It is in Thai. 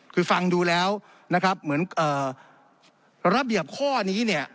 คือฟังดูแล้วนะครับเหมือนระเบียบข้อนี้เนี่ย